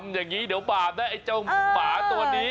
อย่างนี้เดี๋ยวบาปนะไอ้เจ้าหมาตัวนี้